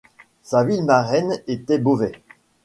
Sa ville marraine était Beauvais.